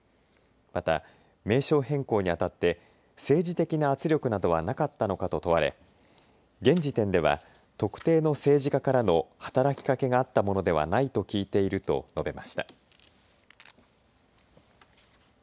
また名称変更にあたって政治的な圧力などはなかったのかと問われ現時点では特定の政治家からの働きかけがあったものではないと聞いていると述べました。